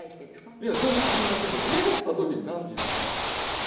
いやそれは知りませんけど濁った時に何て言うんですか？